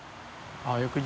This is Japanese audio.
あぁ翌日。